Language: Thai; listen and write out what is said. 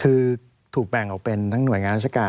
คือถูกแบ่งออกเป็นทั้งหน่วยงานราชการ